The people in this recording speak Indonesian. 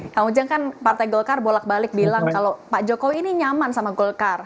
kang ujang kan partai golkar bolak balik bilang kalau pak jokowi ini nyaman sama golkar